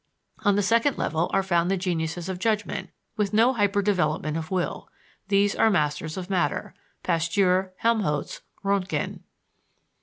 On the second level are found the geniuses of judgment, with no hyper development of will these are masters of matter (Pasteur, Helmholtz, Röntgen).